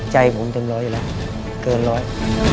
ใจผมเต็มร้อยอยู่แล้วเกินร้อย